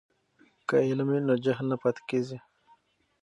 که علم وي نو جهل نه پاتې کیږي.